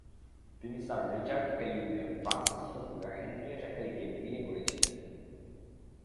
তিনি sir Richard কেলির মেয়ে ফ্রান্সেস সোফিয়া হেনরিয়েটা কেলিকে বিয়ে করেছিলেন।